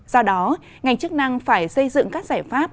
do đó ngành chức năng phải xây dựng các giải pháp